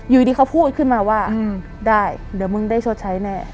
อยู่ดีเขาพูดขึ้นมาว่าได้เดี๋ยวมึงได้ชดใช้แน่